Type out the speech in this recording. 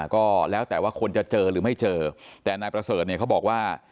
ก็แล้วแต่ว่าคนจะเจอหรือไม่เจอแต่นายประเสริฐเนี่ยเขาบอกว่า